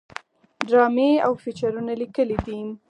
ډرامې او فيچرونه ليکلي دي